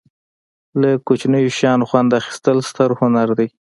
له کوچنیو شیانو خوند اخستل ستر هنر دی.